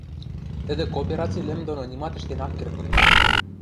тӹдӹ коопераци лӹм доно нимат ӹштен ак керд ыльы.